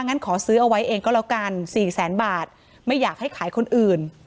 งั้นขอซื้อเอาไว้เองก็แล้วกันสี่แสนบาทไม่อยากให้ขายคนอื่น